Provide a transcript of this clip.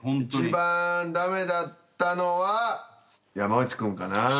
一番駄目だったのは山内君かな。